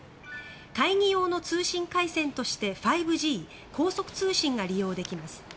会議用の通信回線として５Ｇ・高速通信が利用できます。